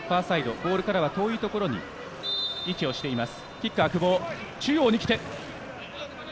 ボールからは遠いところに位置しています。